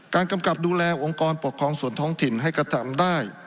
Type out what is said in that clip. กำกับดูแลองค์กรปกครองส่วนท้องถิ่นให้กระทำได้